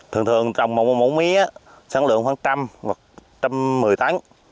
thường thường trồng một mẫu mía sáng lượng khoảng một trăm linh một trăm một mươi tấn